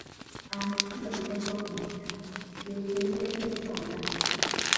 Amasiga ge galuwa ku muntu ky'ekyenyi eky'ensonda.